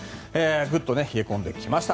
グッと冷え込んできました。